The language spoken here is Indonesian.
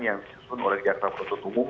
yang disusun oleh jaksa penuntut umum